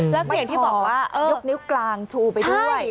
แล้วก็อย่างที่บอกว่ายกนิ้วกลางชูไปด้วย